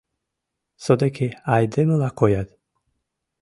Содыки айдемыла коят...